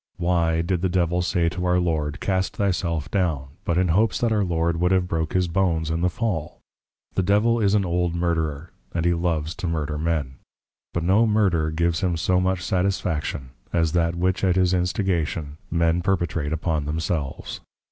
Why, did the Devil say to our Lord, Cast thy self down, but in hopes that our Lord would have broke his Bones, in the fall? The Devil is an Old Murtherer; and he loves to Murder men; but no Murder gives him so much satisfaction, as that which at his instigation, men perpetrate upon themselves.